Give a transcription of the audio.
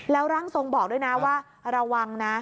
แล้วร่างทรงบอกด้วยนะว่าระวังนะ